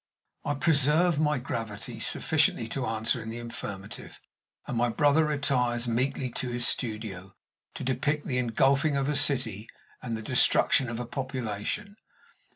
I preserve my gravity sufficiently to answer in the affirmative, and my brother retires meekly to his studio, to depict the engulfing of a city and the destruction of a population.